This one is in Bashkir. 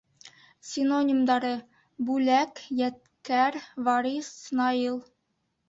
Синонимдары: Бүләк, Ядкәр, Варис, Наил;